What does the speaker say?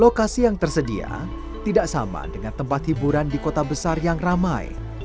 lokasi yang tersedia tidak sama dengan tempat hiburan di kota besar yang ramai